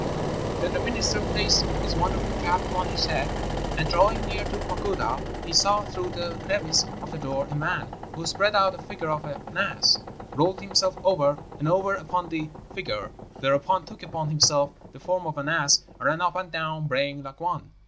"Then the minister placed his wonderful cap upon his head, and, drawing near to a pagoda, he saw, through the crevice of the door, a man, who spread out a figure of an ass, rolled himself over and over upon the figure, thereupon took upon himself the form of an ass, and ran up and down braying like one.